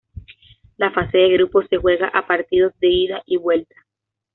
La fase de grupos se juega a partidos de ida y vuelta.